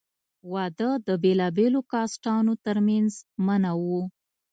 واده د بېلابېلو کاسټانو تر منځ منع وو.